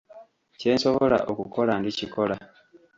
Kye nsobola okukola ndikikola.